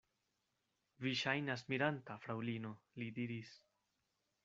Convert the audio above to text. Vi ŝajnas miranta, fraŭlino, li diris.